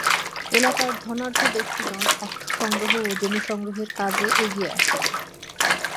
এলাকার ধনাঢ্য ব্যক্তিগণ অর্থ সংগ্রহ ও জমি সংগ্রহের কাজে এগিয়ে আসেন।